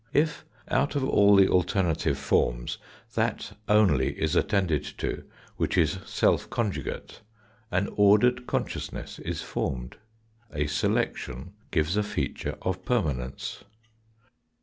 If out of all the alternative forms that only is attended to which is self conjugate, an ordered conscious ness is formed. A selection gives a feature of permanence.